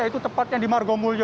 itu tepatnya di margomulyo